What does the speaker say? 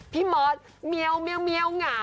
พี่เมิ๊ดเมี๊ยวเมี๊ยวเมี๊ยวเงา